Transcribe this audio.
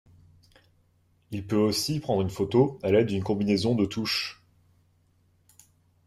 Il peut aussi prendre une photo à l'aide d'une combinaison de touches.